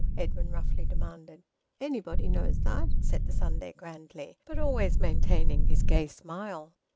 Edwin roughly demanded. "Anybody knows that!" said the Sunday grandly, but always maintaining his gay smile.